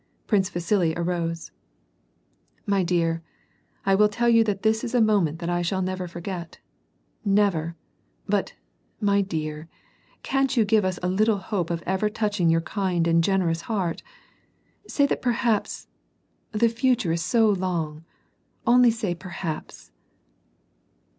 Prince Vasili arose, — "My dear,'! will tell you that this is a moment that I shall never forget, never ! but, my dear, can't you give us a little hope of ever touching your kind and generous heart? Say that perhaps — the future is so long. Only say ' perhaps.'